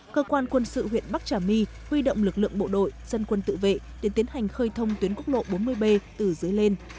cơ quan quân sự huyện bắc trà my huy động lực lượng bộ đội dân quân tự vệ để tiến hành khơi thông tuyến quốc lộ bốn mươi b từ dưới lên